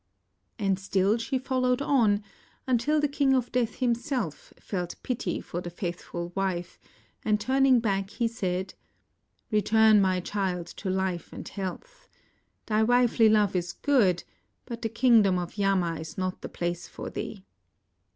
And still she followed on until the King of Death himself felt pity for the faithful \\ife, 20 SAVITRI'S CHOICE and turning back he said: " Return, my child, to life and health. Thy wifely love is good, but the kingdom of Yama is not the place for thee.